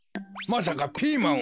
まさかピーマンを。